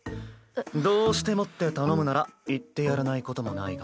どうしてもって頼むなら行ってやらないこともないが。